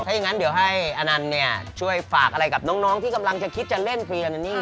ถ้าอย่างนั้นเดี๋ยวให้อะนันช่วยฝากอะไรกับน้องที่คำลังจะเล่นพลีอาณานิ่ง